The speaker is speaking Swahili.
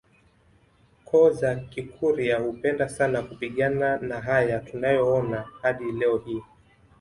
koo za Kikurya hupenda sana kupigana na haya tunayaona hadi leo hii